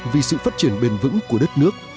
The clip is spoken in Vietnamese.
vì sự phát triển bền vững của đất nước